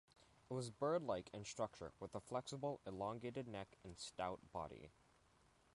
It was bird-like in structure, with a flexible, elongated neck and stout body.